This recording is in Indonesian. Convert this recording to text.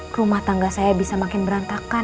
ke rumah tangga saya bisa makin berantakan